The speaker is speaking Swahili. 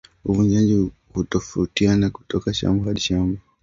Uvunaji hutofautiana kutoka shamba hadi shamba